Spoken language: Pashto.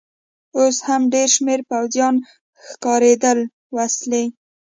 اوس هم ډېر شمېر پوځیان ښکارېدل، وسلې.